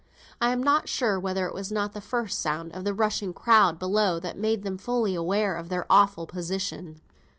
I am not sure whether it was not the first sound of the rushing crowd below that made them fully aware of their awful position.